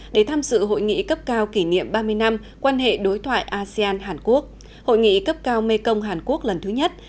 để tham dự hội nghị cấp cao kỷ niệm ba mươi năm quan hệ đối thoại asean hàn quốc hội nghị cấp cao mekong hàn quốc lần thứ nhất